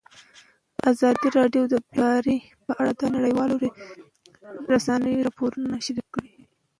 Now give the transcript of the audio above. ازادي راډیو د بیکاري په اړه د نړیوالو رسنیو راپورونه شریک کړي.